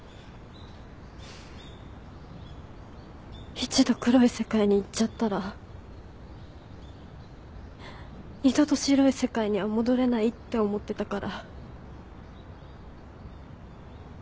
一度黒い世界に行っちゃったら二度と白い世界には戻れないって思ってたから。